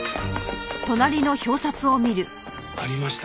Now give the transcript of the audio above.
ありました。